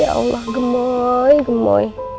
ya allah gemoy gemoy